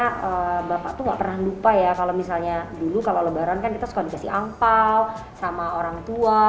karena bapak tuh gak pernah lupa ya kalau misalnya dulu kalau lebaran kan kita suka dikasih angpao sama orang tua